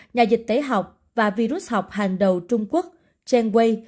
nhà dịch tế học và virus học hàng đầu trung quốc chen wei